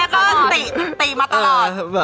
แม่ก็ตีมาตลอด